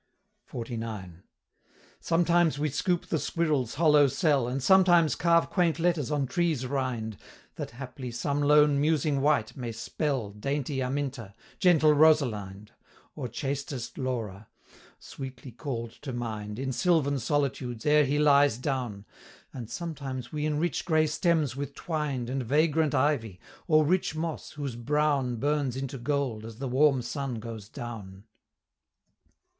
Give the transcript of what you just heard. XLIX. "Sometimes we scoop the squirrel's hollow cell, And sometimes carve quaint letters on trees' rind, That haply some lone musing wight may spell Dainty Aminta, Gentle Rosalind, Or chastest Laura, sweetly call'd to mind In sylvan solitudes, ere he lies down; And sometimes we enrich gray stems with twined And vagrant ivy, or rich moss, whose brown Burns into gold as the warm sun goes down."